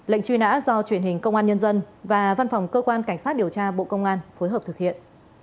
lệnh truy nã do truyền hình công an nhân dân và văn phòng cơ quan cảnh sát điều tra bộ công an phối hợp thực hiện